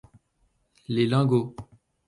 Les Lingots.